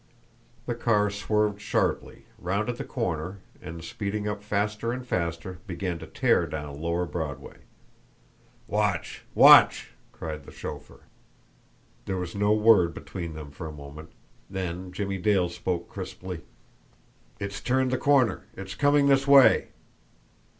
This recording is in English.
The car swerved sharply, rounded the corner, and, speeding up faster and faster, began to tear down Lower Broadway. "Watch! WATCH!" cried the chauffeur. There was no word between them for a moment; then Jimmie Dale spoke crisply: "It's turned the corner! It's coming this way!"